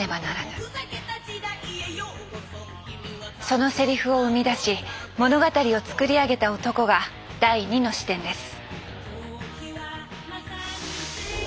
そのセリフを生み出し物語を作り上げた男が第２の視点です。